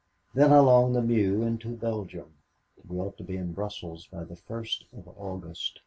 Then along the Meuse into Belgium. We ought to be in Brussels by the first of August."